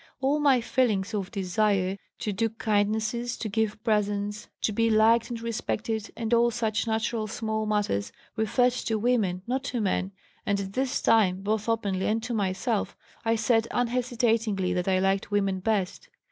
All my feelings of desire to do kindnesses, to give presents, to be liked and respected and all such natural small matters, referred to women, not to men, and at this time, both openly and to myself, I said unhesitatingly that I liked women best.